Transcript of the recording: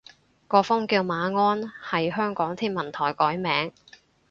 個風叫馬鞍，係香港天文台改名